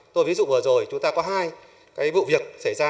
tôi ví dụ vừa rồi chúng ta có hai cái vụ việc xảy ra